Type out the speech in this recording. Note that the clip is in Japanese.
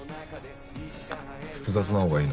複雑なほうがいいの？